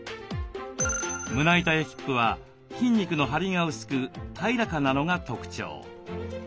胸板やヒップは筋肉のハリが薄く平らかなのが特徴。